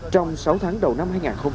trong sáu tháng đầu năm hai nghìn tám